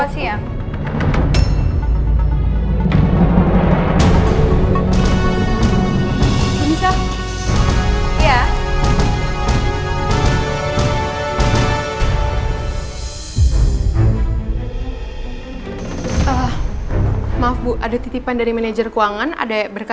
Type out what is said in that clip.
selamat siang bu